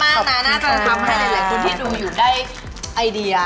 น่าจะทำให้หลายคนที่ดูอยู่ได้ไอเดีย